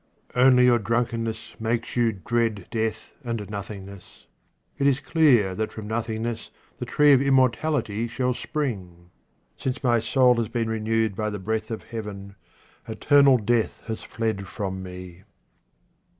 Only your drunkenness makes you dread death and nothingness. It is clear that from nothing ness the tree of immortality shall spring. Since my soul has been renewed by the breath of Heaven, eternal death has fled from me.